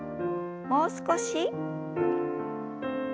もう少し。